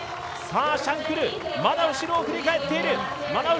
シャンクル、まだ後ろを振り返っている！